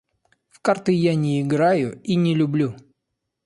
В карты я не играю и не люблю